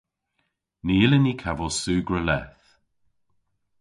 Ny yllyn ni kavos sugra leth.